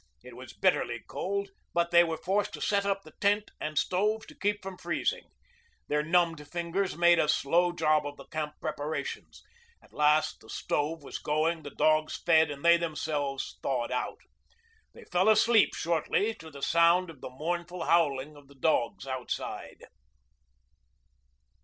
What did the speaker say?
It was bitterly cold, but they were forced to set up the tent and stove to keep from freezing. Their numbed fingers made a slow job of the camp preparations. At last the stove was going, the dogs fed, and they themselves thawed out. They fell asleep shortly to the sound of the mournful howling of the dogs outside.